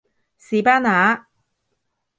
士巴拿